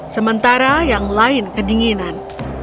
sementara yang lain kedinginan